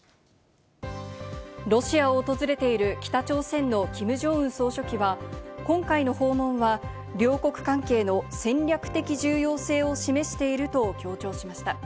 ロシアを訪れている北朝鮮のキム・ジョンウン総書記は、今回の訪問は両国関係の戦略的重要性を示していると強調しました。